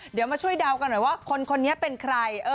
เดี๋ยวมาช่วยเดากันหน่อยว่าคนนี้เป็นใคร